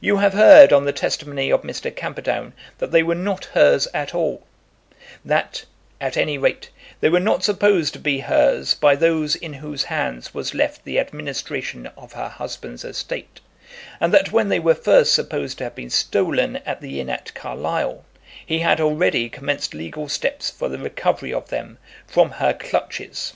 You have heard on the testimony of Mr. Camperdown that they were not hers at all, that, at any rate, they were not supposed to be hers by those in whose hands was left the administration of her husband's estate, and that when they were first supposed to have been stolen at the inn at Carlisle, he had already commenced legal steps for the recovery of them from her clutches.